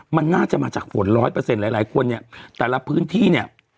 มันน่าจะมาจากฝนร้อยเปอร์เซ็นหลายหลายคนเนี่ยแต่ละพื้นที่เนี่ย